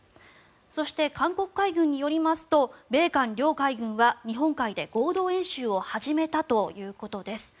そして、韓国海軍によりますと米韓両海軍は日本海で合同演習を始めたということです。